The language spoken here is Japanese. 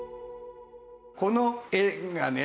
この絵がね